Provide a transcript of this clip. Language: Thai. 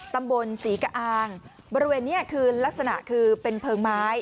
ตำบลศรีกะอางบริเวณนี้คือลักษณะคือเป็นเพลิงไม้